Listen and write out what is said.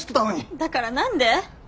だから何で？